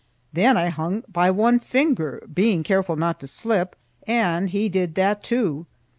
Then I hung by one finger, being careful not to slip, and he did that too.